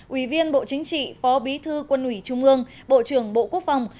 ủy viên bộ chính trị phó bí thư quân ủy trung ương bộ trưởng bộ quốc phòng